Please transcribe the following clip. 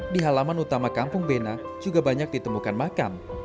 di halaman utama kampung bena juga banyak ditemukan makam